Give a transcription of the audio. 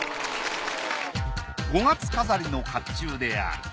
五月飾りの甲冑である。